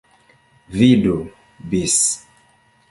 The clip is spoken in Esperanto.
Vidu bis.